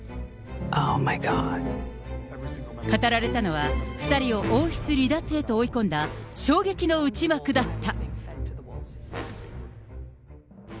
語られたのは、２人を王室離脱へと追い込んだ、衝撃の内幕だった。